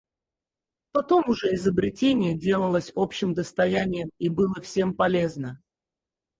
Потом уже изобретение делалось общим достоянием и было всем полезно.